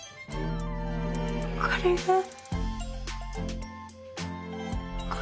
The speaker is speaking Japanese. これが恋？